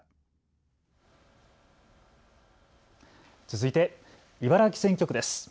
続いて茨城選挙区です。